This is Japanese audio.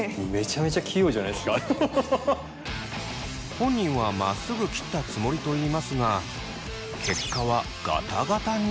本人はまっすぐ切ったつもりと言いますが結果はガタガタに。